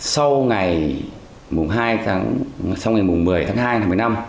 sau ngày mùng hai tháng sau ngày mùng một mươi tháng hai năm hai nghìn một mươi năm